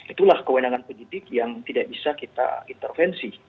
itulah kewenangan penyidik yang tidak bisa kita intervensi